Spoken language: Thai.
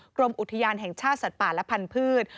กรมอุทยานแห่งชาติสัตว์ป่าและพันธุ์